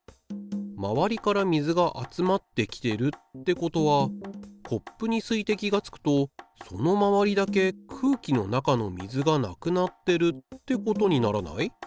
まわりから水が集まってきてるってことはコップに水滴がつくとそのまわりだけ空気の中の水がなくなってるってことにならない？